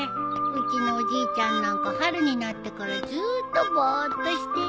うちのおじいちゃんなんか春になってからずっとぼーっとしてるよ。